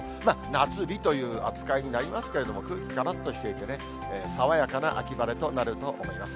夏日という扱いになりますけれども、空気からっとしていてね、爽やかな秋晴れとなると思います。